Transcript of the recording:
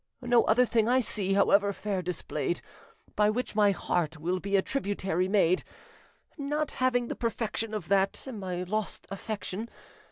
No other thing I see, However fair displayed, By which my heart will be A tributary made, Not having the perfection Of that, my lost affection.